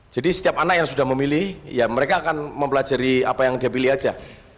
jadi setiap anak yang sudah memilih mereka akan mempelajari apa yang dia pilih saja